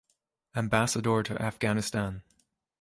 Ambassador to Afghanistan.